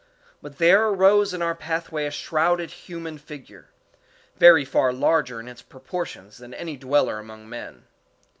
But there arose in our pathway a shrouded human figure, very far larger in its proportions than any dweller among men.